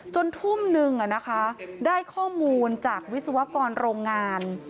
ทุ่มนึงได้ข้อมูลจากวิศวกรโรงงาน